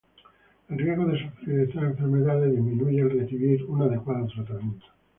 El riesgo de sufrir estas enfermedades disminuye al recibir un adecuado tratamiento.